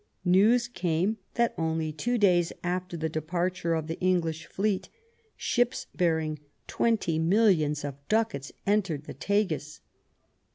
News came that only two days after the departure of the English fleet, ships bearing twenty millions of ducats entered the Tagus.